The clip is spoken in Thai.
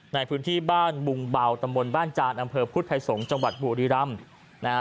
ในพื้นที่บ้านบุงเบาตำบลบ้านจานอำเภอพุทธไทยสงศ์จังหวัดบุรีรำนะฮะ